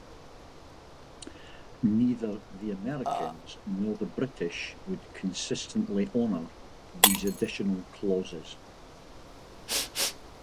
Neither the Americans nor the British would consistently honor these additional clauses.